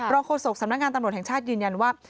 โฆษกสำนักงานตำรวจแห่งชาติยืนยันว่า